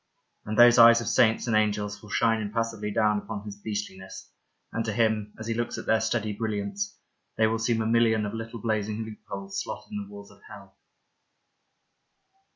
And those eyes of saints and angels will shine impassively down upon his beastliness, and to him, as he looks at their steady brilliance, they will seem a million of little blazing loopholes slotted in the walls of hell.